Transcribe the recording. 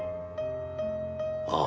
ああ。